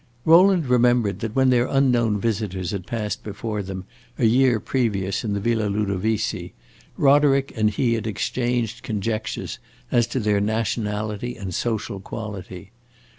Rowland remembered that when their unknown visitors had passed before them, a year previous, in the Villa Ludovisi, Roderick and he had exchanged conjectures as to their nationality and social quality.